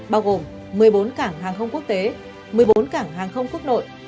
bao gồm một mươi bốn cảng hàng không quốc tế một mươi bốn cảng hàng không quốc nội